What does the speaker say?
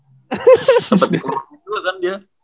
sampai di kurungin juga kan dia